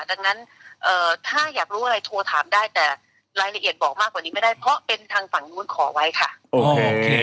ดังนั้นถ้าอยากรู้อะไรโทรถามได้แต่รายละเอียดบอกมากกว่านี้ไม่ได้